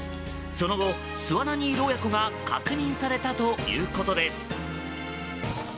その後、巣穴にいる親子が確認されたということです。